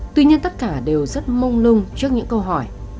tuy nhiên tất cả đều rất mông lung trước những câu hỏi